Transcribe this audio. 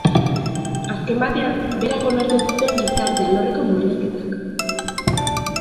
Azken batean, berak onartu zituen gizarte alorreko murrizketak.